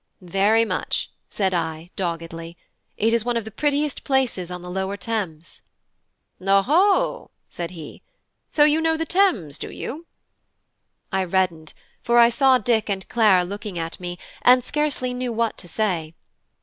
"Very much," said I, doggedly; "it is one of the prettiest places on the lower Thames." "Oho!" said he; "so you know the Thames, do you?" I reddened, for I saw Dick and Clara looking at me, and scarcely knew what to say.